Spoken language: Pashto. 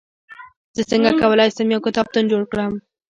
زه څنګه کولای سم، یو کتابتون جوړ کړم؟